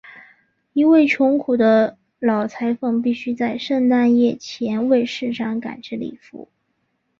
一位穷苦的老裁缝必须在圣诞夜前为市长赶制礼服。